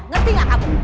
ngerti gak kamu